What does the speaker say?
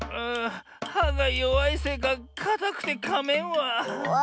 はがよわいせいかかたくてかめんわ。